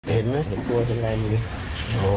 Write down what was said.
เห็นไหม